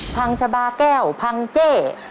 พังชาบาแก้วพังเจ้